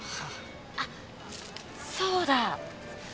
あっそうだ。